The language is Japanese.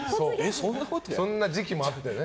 そんな時期もあったよね。